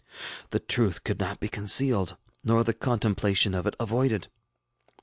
The truth could not be concealed, nor the contemplation of it avoided.